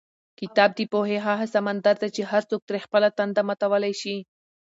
کتاب د پوهې هغه سمندر دی چې هر څوک ترې خپله تنده ماتولی شي.